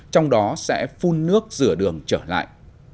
trong đó sẽ phun nước rửa đường trở lại